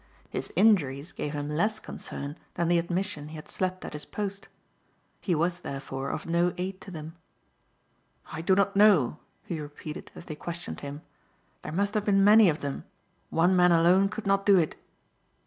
His injuries gave him less concern than the admission he had slept at his post. He was, therefore, of no aid to them. "I do not know," he repeated as they questioned him. "There must have been many of them. One man alone could not do it."